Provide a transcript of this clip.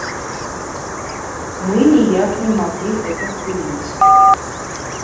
Мы ніяк не маглі гэта спыніць.